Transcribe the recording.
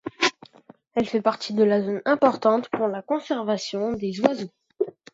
Elle fait partie de la zone importante pour la conservation des oiseaux.